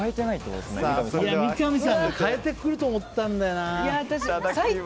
三上さんが変えてくると思ったんだよな。